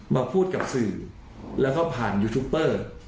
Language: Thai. มาพูดกับสื่อแล้วก็ผ่านยูทูปเปอร์